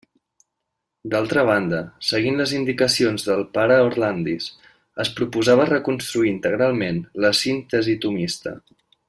D'altra banda, seguint les indicacions del pare Orlandis, es proposava reconstruir integralment la síntesi tomista.